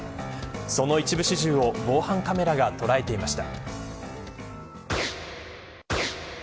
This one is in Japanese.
その一部始終を防犯カメラが捉えていました。